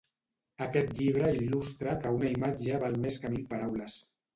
Aquest llibre il·lustra que una imatge val més que mil paraules.